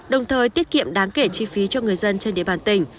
đồng thời tiết kiệm đáng kể chi phí cho người dân trên địa bàn tỉnh